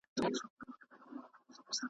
قضاوت به د ظالم په ژبه کیږي .